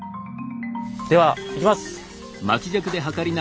ではいきます。